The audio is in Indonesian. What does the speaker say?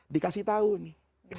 dikasih tahu nih